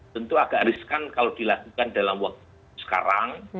tentu agak riskan kalau dilakukan dalam waktu sekarang